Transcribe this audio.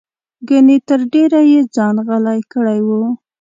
ګنې تر ډېره یې ځان غلی کړی و.